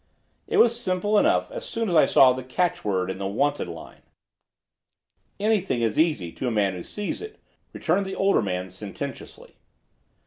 "It was simple enough as soon as I saw the catchword in the 'Wanted' line." "Anything is easy to a man who sees," returned the older man sententiously.